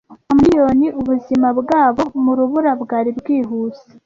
Amamiliyoni, ubuzima bwabo mu rubura bwari bwihuse,